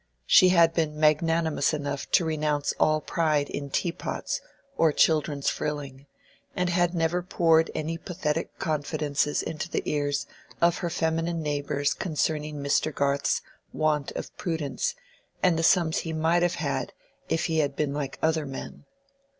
She had been magnanimous enough to renounce all pride in teapots or children's frilling, and had never poured any pathetic confidences into the ears of her feminine neighbors concerning Mr. Garth's want of prudence and the sums he might have had if he had been like other men.